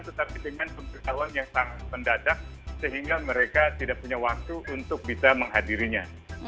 tetapi dengan pengetahuan yang sangat mendadak sehingga mereka tidak punya waktu untuk bisa menghadirinya